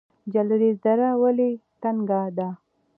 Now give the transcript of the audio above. جلریز دره ولې تنګه ده؟